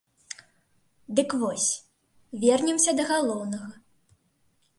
Дык вось, вернемся да галоўнага.